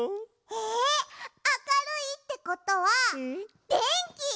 えあかるいってことはでんき？